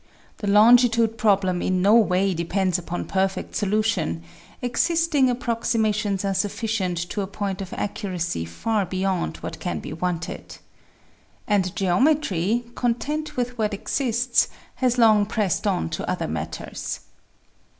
The longitude problem in no way depends upon perfect solution; existing approximations are sufficient to a point of accuracy far beyond what can be wanted. And geometry, content with what exists, has long pressed on to other matters.